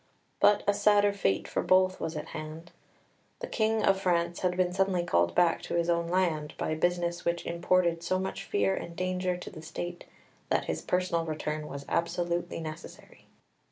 But a sadder fate for both was at hand. The King of France had been suddenly called back to his own land by business which imported so much fear and danger to the State that his personal return was absolutely necessary.